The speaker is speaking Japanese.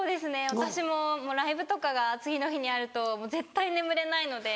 私もライブとかが次の日にあるともう絶対眠れないので。